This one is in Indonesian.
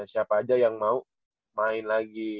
siapa aja yang mau main lagi